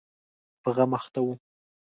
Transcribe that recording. په غم اخته و.